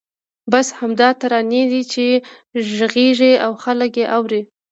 بس همدا ترانې دي چې غږېږي او خلک یې اوري.